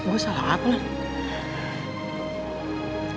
gue salah apa lan